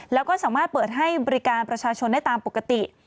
แล้วก็สามารถเปิดให้บริการประชาชนได้ตามปกติ